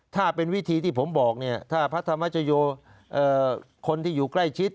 ถ้าเป็นวิธีที่ผมบอกเนี่ยถ้าพระธรรมชโยคนที่อยู่ใกล้ชิด